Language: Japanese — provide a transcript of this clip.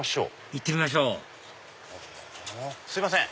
いってみましょうすいません。